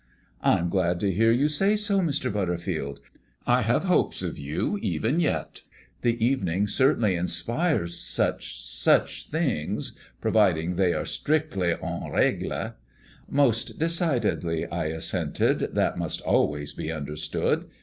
"I'm glad to hear you say so, Mr. Butterfield. I have hopes of you even yet. The evening certainly inspires such such things providing they are strictly en règle." "Most decidedly," I assented; "that must always be understood.